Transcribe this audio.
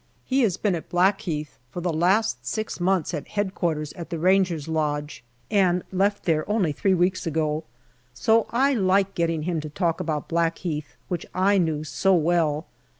He has been at Blackheath for the last six months at Headquarters at the Ranger's Lodge, and left there only three weeks ago, so I like getting him to talk about Blackheath, which I knew so well.